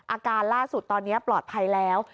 อาการล่าสุดตอนนี้ปลอดภัยแล้ว